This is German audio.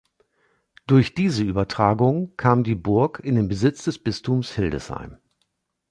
Durch diese Übertragung kam die Burg in den Besitz des Bistums Hildesheim.